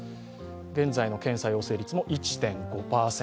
現在の検査陽性率も１．５％